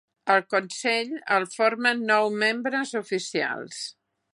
El consell el formen nou membres oficials.